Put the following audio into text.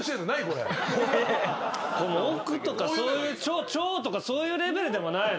これもう億とかそういう兆とかそういうレベルでもない。